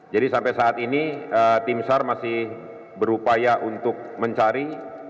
jadi sampai saat ini tim sar masih berupaya untuk mencari